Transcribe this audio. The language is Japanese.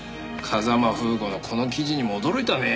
風間楓子のこの記事にも驚いたね。